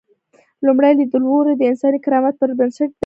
لومړی لیدلوری د انساني کرامت پر بنسټ دی.